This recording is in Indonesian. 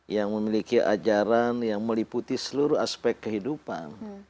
yang memiliki ajaran yang meliputi seluruh aspek kehidupan